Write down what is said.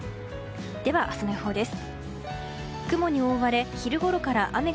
では明日の予報です。